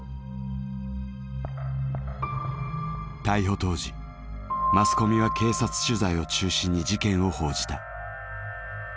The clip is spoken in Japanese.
逮捕当時マスコミは警察取材を中心に事件を報じた。